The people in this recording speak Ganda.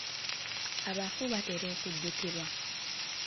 Abafu batera okujjukirwa.